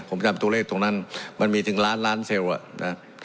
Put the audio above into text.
ผมจำตัวเลขตรงนั้นมันมีถึงล้านล้านเซลล์อ่ะนะ